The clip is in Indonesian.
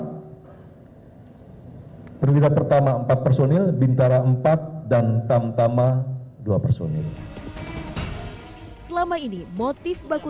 hai berwira pertama empat personil bintara empat dan tamtama dua personil selama ini motif baku